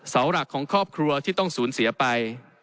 เสาหลักของครอบครัวที่ต้องสูญเสียไป